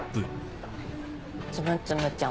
つむつむちゃん。